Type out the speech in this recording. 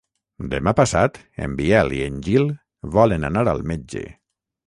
Demà passat en Biel i en Gil volen anar al metge.